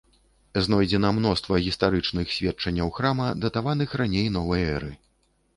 Знойдзена мноства гістарычных сведчанняў храма датаваных раней новай эры.